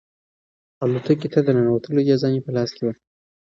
الوتکې ته د ننوتلو اجازه مې په لاس کې وه.